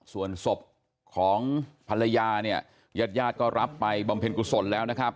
ส่วนศพของภรรยาเนี่ยญาติญาติก็รับไปบำเพ็ญกุศลแล้วนะครับ